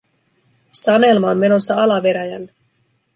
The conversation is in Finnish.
Sanelma on menossa alaveräjälle.